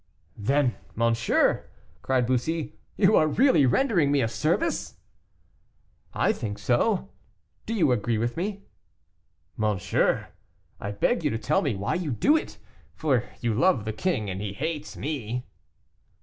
"Then, monsieur," cried Bussy, "you are really rendering me a service?" "I think so; do you agree with me?" "Monsieur, I beg you to tell me why you do it; for you love the king, and he hates me."